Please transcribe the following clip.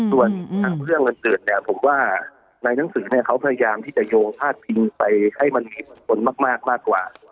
ส่วนเรื่องวันเกิดเนี่ยผมว่าในหนังสือเนี่ยเขาพยายามที่จะโยงพาดพิงไปให้มันเห็นผลมากกว่า